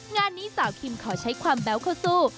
งานนี้สาวคิมขอใช้ความแบ๊วเข้าสู้